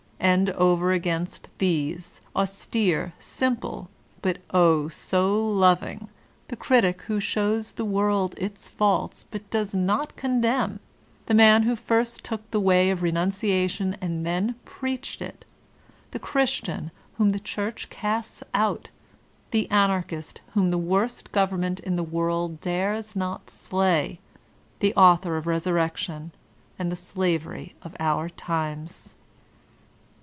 And over against these, austere, simple, but oh! so loving, the critic who shows the world its faults but does not condemn, the man who first took the way of renunciation and then preached It, the Christian whom the Church casts out, the Anarchist whom the worst government in the world dares not slay, I he author of "Resurrection" and "The Slavery of Our Times."